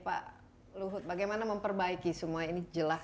pak luhut bagaimana memperbaiki semua ini jelas